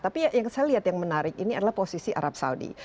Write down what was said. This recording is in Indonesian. tapi yang saya lihat yang menarik ini adalah posisi arab saudi